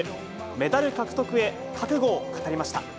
メダル獲得へ、覚悟を語りました。